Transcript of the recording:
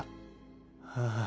ああ。